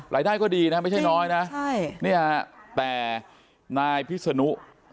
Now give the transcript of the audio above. รายได้ก็ดีนะไม่ใช่น้อยนะใช่เนี่ยแต่นายพิษนุ